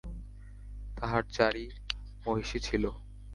তাঁহার চারি মহিষী ছিল।